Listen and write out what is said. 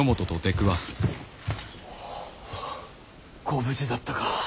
ご無事だったか。